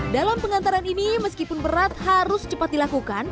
dalam pengantaran ini meskipun berat harus cepat dilakukan